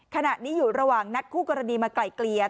ขณะนี้อยู่ระหว่างนัดคู่กรณีมาไกลเกลี่ย